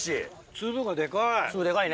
粒がでかい。